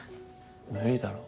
無理だろ。